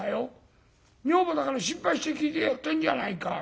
女房だから心配して聞いてやってんじゃないか。